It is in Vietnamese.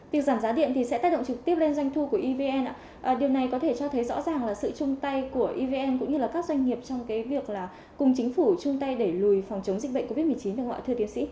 việc giảm giá điện thì sẽ tác động trực tiếp lên doanh thu của evn ạ điều này có thể cho thấy rõ ràng là sự chung tay của evn cũng như là các doanh nghiệp trong cái việc là cùng chính phủ chung tay đẩy lùi phòng chống dịch bệnh covid một mươi chín được ạ thưa tiến sĩ